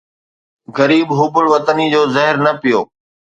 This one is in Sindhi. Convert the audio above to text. غريب حب الوطني جو زهر نه پيئو